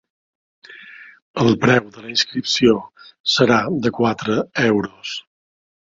El preu de la inscripció serà de quatre euros.